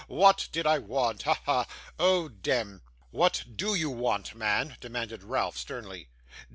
WHAT did I want. Ha, ha. Oh dem!' 'What DO you want, man?' demanded Ralph, sternly.